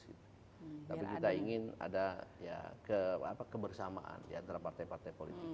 tapi kita ingin ada kebersamaan di antara partai partai politik